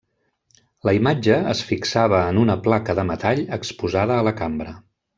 La imatge es fixava en una placa de metall exposada a la cambra.